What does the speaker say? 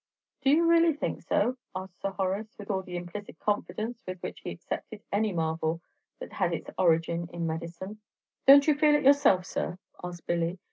"Do you really say so?" asked Sir Horace, with all the implicit confidence with which he accepted any marvel that had its origin in medicine. "Don't you feel it yourself, sir?" asked Billy.